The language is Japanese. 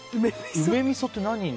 梅みそって何に？